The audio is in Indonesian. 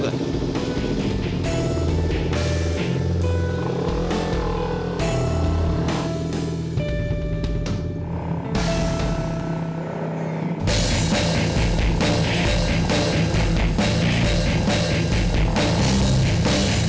kau mau ngapain